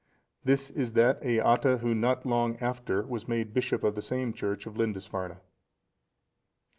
This is that Eata, who, not long after, was made bishop of the same church of Lindisfarne.